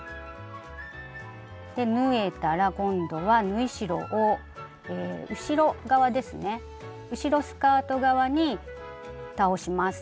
縫えたら今度は縫い代を後ろ側ですね後ろスカート側に倒します。